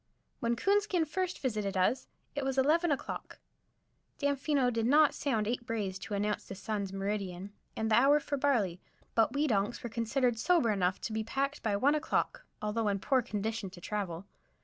When Coonskin first visited us it was eleven o'clock. Damfino did not sound eight brays to announce the sun's meridian and the hour for barley, but we donks were considered sober enough to be packed by one o'clock, although in poor condition to travel.